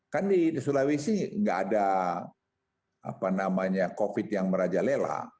kan di sulawesi nggak ada covid yang merajalela